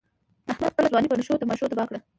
احمد خپله ځواني په نشو تماشو تباه کړ.